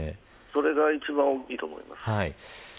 それが一番大きいと思います。